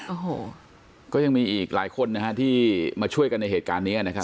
โอ้โหก็ยังมีอีกหลายคนนะฮะที่มาช่วยกันในเหตุการณ์นี้นะครับ